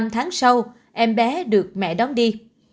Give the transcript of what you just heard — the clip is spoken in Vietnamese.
năm tháng sau em bé được mẹ đón đi